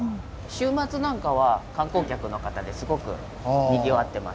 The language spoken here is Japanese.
週末なんかは観光客の方ですごくにぎわってます。